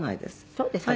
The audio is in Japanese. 「そうですか？